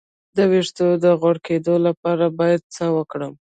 د ویښتو د غوړ کیدو لپاره باید څه وکړم؟